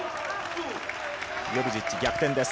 ヨルジッチ、逆転です。